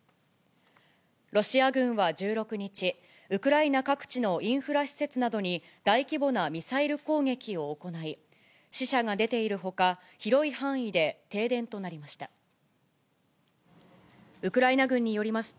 ロシア軍は１６日、ウクライナ各地のインフラ施設などに大規模なミサイル攻撃を行い、死者が出ているほか、広い範囲で停電となりました。